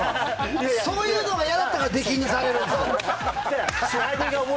そういうのが嫌だったから出禁にされるんですよ。